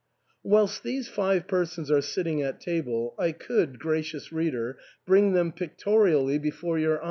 Whilst these five persons are sitting at table, I could, gracious reader, bring them pictorially before your 328 ARTHUR'S HALL.